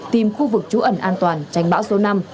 tìm khu vực trú ẩn an toàn tránh bão số năm